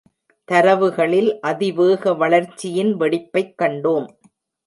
தரவுகளில் அதிவேக வளர்ச்சியின் வெடிப்பைக் கண்டோம்.